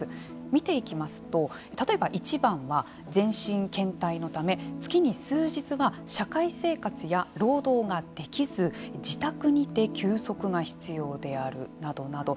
見ていきますと例えば１番は全身けん怠のため月に数日は社会生活や労働ができず自宅にて休息が必要であるなどなど。